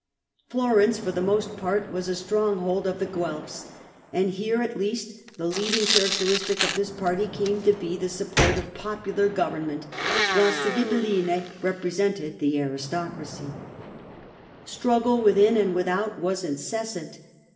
Florence for the most part was a stronghold of the Guelfs : and here at least the leading characteristic of this party came to be the support of popular government, whilst the Ghibel line represented the aristocracJ^ Struggle within and without was incessant.